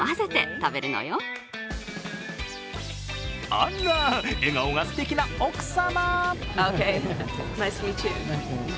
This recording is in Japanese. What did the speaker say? あら、笑顔がすてきな奥様。